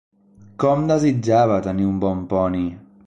Com desitjava tenir un bon poni!